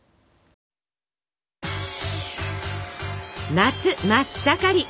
夏真っ盛り！